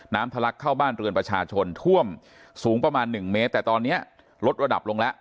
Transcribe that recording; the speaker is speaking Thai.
ทะลักเข้าบ้านเรือนประชาชนท่วมสูงประมาณหนึ่งเมตรแต่ตอนนี้ลดระดับลงแล้ว